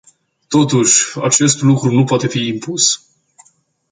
Totuși, acest lucru nu poate fi impus.